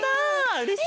うれしい！